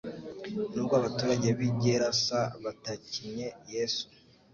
Nubwo Abaturage b'i Gerasa batakinye Yesu,